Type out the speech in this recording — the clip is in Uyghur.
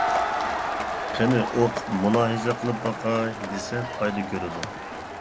قېنى ئوقۇپ مۇلاھىزە قىلىپ باقاي دېسە پايدا كۆرىدۇ.